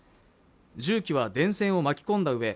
重機は電線を巻き込んだうえ